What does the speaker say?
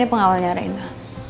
ini pengawalnya rena